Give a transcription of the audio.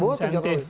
bukan soal insentif